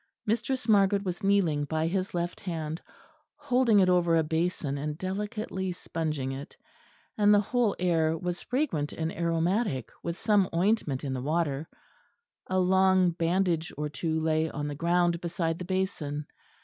Mistress Margaret was kneeling by his left hand, holding it over a basin and delicately sponging it; and the whole air was fragrant and aromatic with some ointment in the water; a long bandage or two lay on the ground beside the basin.